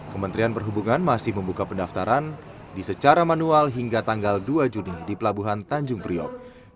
kementerian perhubungan masih membuka pendaftaran secara manual hingga tanggal dua juni di pelabuhan tanjung priok